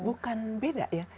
bukan beda ya